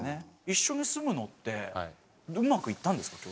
一緒に住むのってうまくいったんですか？